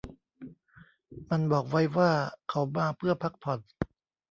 มันบอกไว้ว่าเขามาเพื่อพักผ่อน